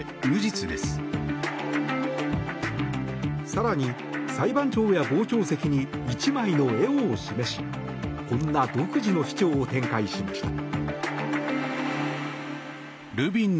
更に、裁判長や傍聴席に１枚の絵を示しこんな独自の主張を展開しました。